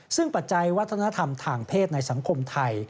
ซึ่งปัจจัยวัฒนธรรมทางเพศในสังคมไทย